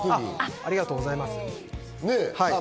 ありがとうございます。